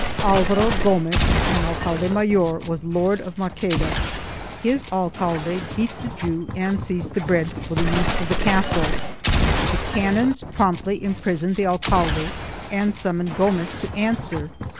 Alvaro Gomez, an alcalde mayor, was lord of Maqueda; his alcaide beat the Jew and seized the bread for the use of the castle ; the canons promptly imprisoned the alcaide and summoned Gomez to answer.